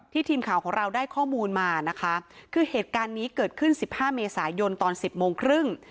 ทีมข่าวของเราได้ข้อมูลมานะคะคือเหตุการณ์นี้เกิดขึ้นสิบห้าเมษายนตอนสิบโมงครึ่ง